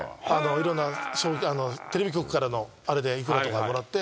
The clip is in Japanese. いろんなテレビ局からのあれで幾らとかもらって。